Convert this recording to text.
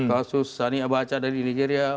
terus sani abacha dari nigeria